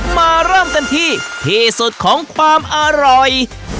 มาเริ่มกันที่ที่สุดของความอร่อย